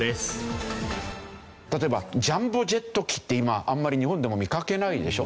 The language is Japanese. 例えばジャンボジェット機って今あんまり日本でも見かけないでしょ。